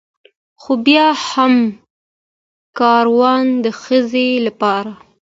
خو بيا هم کاروان د ښځې لپاره